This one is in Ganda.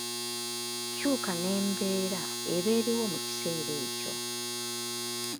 Kyuka n’embeera eba eriwo mu kiseera ekyo.